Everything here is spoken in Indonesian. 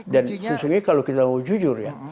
dan sesungguhnya kalau kita mau jujur ya